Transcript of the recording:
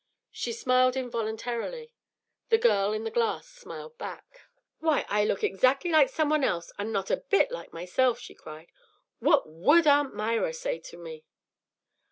She smiled involuntarily. The girl in the glass smiled back. "Why, I look exactly like somebody else and not a bit like myself," she cried. "What would Aunt Myra say to me?"